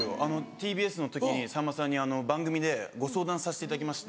ＴＢＳの時にさんまさんに番組でご相談さしていただきまして。